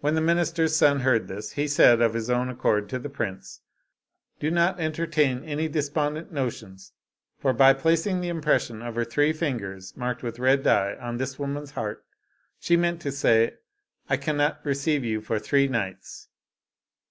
When the minister's son heard this, he said, of his own accord, to the prince, " Do not entertain any despondent notions, for by placing the impression of her three fingers marked with red dye on this woman's heart, she meant to say : 'I cannot receive you for three nights.'